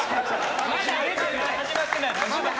まだ始まってない！